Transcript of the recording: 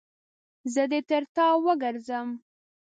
زه دې تر تا وګرځم.